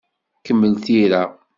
Kemmel tira.